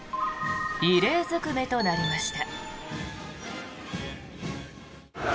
異例ずくめとなりました。